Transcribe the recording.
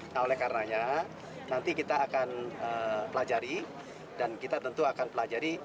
nah oleh karenanya nanti kita akan pelajari dan kita tentu akan pelajari